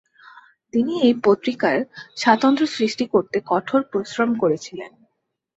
তিনি এই পত্রিকার স্বাতন্ত্র্য সৃষ্টি করতে কঠোর পরিশ্রম করেছিলেন।